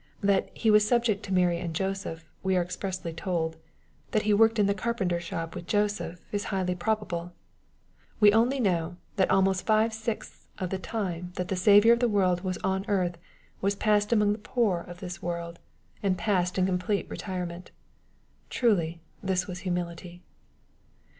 That He was " subject to Mary and Joseph," we are expressly told. That He worked in the carpenter's shop with Joseph, is highly probable. We only know, that almost five sixths of the time that the Saviour oi' the world wag on earth %vas passed among the poor of this world, and MATTHEW^ CHAP. III. 17 passed in complete retirement. Truly this was ha« militj.